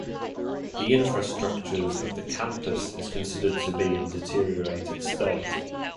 The infrastructures of the campus is considered to be in deteriorated state.